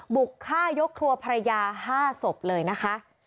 บุกฆ่ายกครัวภรรยา๕ศพเลยนะคะ